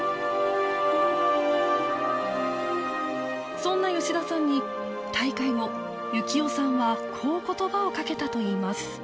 そんな吉田さんに大会後幸代さんはこう言葉をかけたと言います